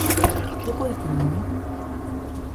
どこ行くのお